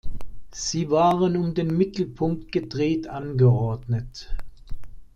Sie waren um den Mittelpunkt gedreht angeordnet.